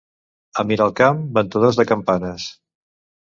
A Miralcamp, ventadors de campanes.